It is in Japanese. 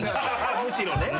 むしろね。